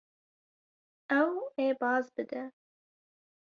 Ew ê baz bide.